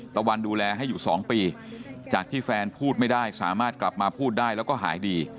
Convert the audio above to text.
ตะวันดูแลให้อยู่๒ปีจากที่แฟนพูดไม่ได้สามารถกลับมาพูดได้แล้วก็หายดี